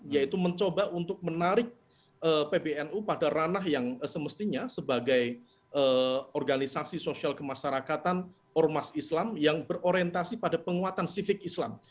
yaitu mencoba untuk menarik pbnu pada ranah yang semestinya sebagai organisasi sosial kemasyarakatan ormas islam yang berorientasi pada penguatan sifik islam